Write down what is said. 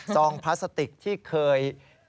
ซองพลาสติกที่เคย